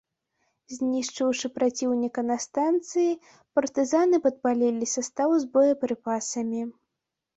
Знішчыўшы праціўніка на станцыі, партызаны падпалілі састаў з боепрыпасамі.